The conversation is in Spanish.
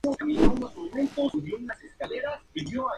De ahí se mudaron al "Atlas Recoleta".